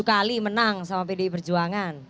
tujuh kali menang sama pdi perjuangan